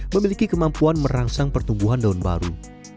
memiliki kemampuan merangsang pertumbuhan daun baru